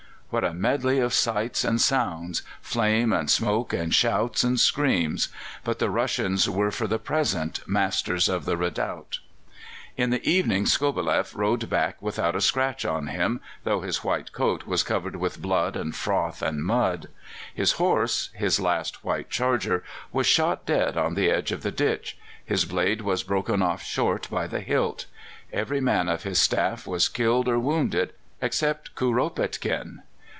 What a medley of sights and sounds flame and smoke and shouts and screams! But the Russians were for the present masters of the redoubt. In the evening Skobeleff rode back without a scratch on him, though his white coat was covered with blood and froth and mud. His horse his last white charger was shot dead on the edge of the ditch; his blade was broken off short by the hilt. Every man of his staff was killed or wounded, except Kuropatkin.